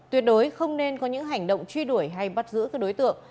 tuyệt đối không nên có những hành động truy đuổi hay bắt giữ các đối tượng